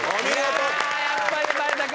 やっぱりバレたか。